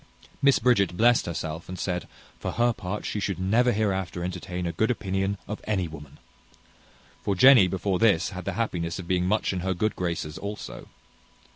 Miss Bridget blessed herself, and said, "For her part, she should never hereafter entertain a good opinion of any woman." For Jenny before this had the happiness of being much in her good graces also.